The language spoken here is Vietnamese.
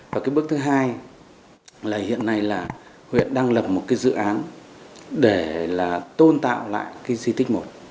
và cái bước thứ hai là hiện nay là huyện đang lập một cái dự án để là tôn tạo lại cái di tích một